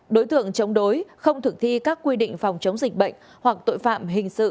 đối tượng chống đối không thực thi các quy định phòng chống dịch bệnh hoặc tội phạm hình sự